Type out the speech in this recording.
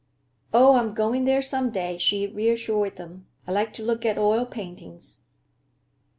"Oh, I'm going there some day," she reassured them. "I like to look at oil paintings."